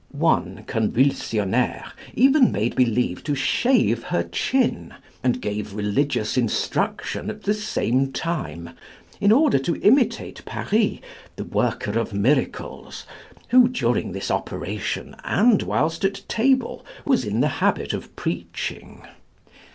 One Convulsionnaire even made believe to shave her chin, and gave religious instruction at the same time, in order to imitate Paris, the worker of miracles, who, during this operation, and whilst at table, was in the habit of preaching.